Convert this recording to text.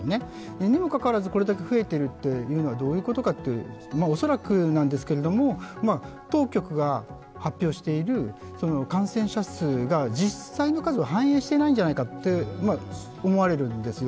にもかかわらず、これだけ増えているのはどういうことか恐らくなんですが、当局が発表している感染者数が実際の数を反映してないんじゃないかと思われるんですよ。